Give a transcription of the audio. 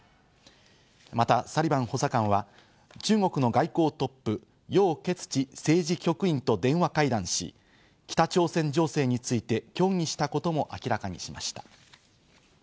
またサリバン補佐官は中国の外交トップ、ヨウ・ケツチ政治局員と電話会談し、北朝鮮情勢について協議したことも明らかにしました。